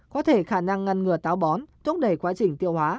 có thể khả năng ngăn ngừa táo bón thúc đẩy quá trình tiêu hóa